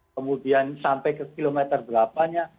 kemudian sampai ke kilometer berapanya